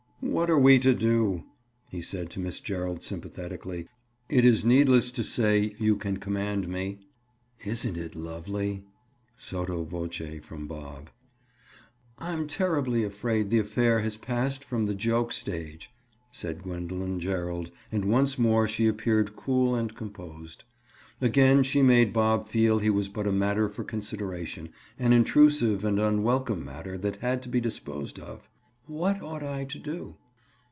"What are we to do?" he said to Miss Gerald sympathetically. "It is needless to say, you can command me." "Isn't that lovely?" Sotto voce from Bob. "I'm terribly afraid the affair has passed from the joke stage," said Gwendoline Gerald and once more she appeared cool and composed. Again she made Bob feel he was but a matter for consideration—an intrusive and unwelcome matter that had to be disposed of. "What ought I to do?"